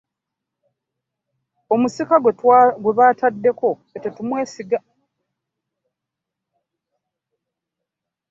Omusika gwe bataddeko ffe tetumwesiga.